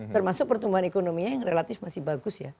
termasuk pertumbuhan ekonominya yang relatif masih bagus ya